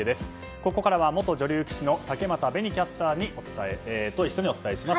ここからは元女流棋士の竹俣紅キャスターと一緒にお伝えします。